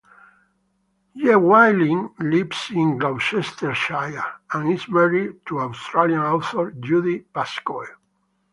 Llewellyn lives in Gloucestershire and is married to Australian author Judy Pascoe.